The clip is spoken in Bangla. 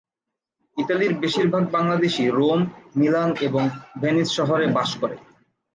ইতালির বেশিরভাগ বাংলাদেশী রোম, মিলান এবং ভেনিস শহরে বাস করে।